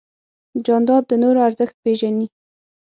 جانداد د نورو ارزښت پېژني.